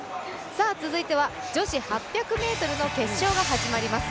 続いては女子８００ｍの決勝が始まります。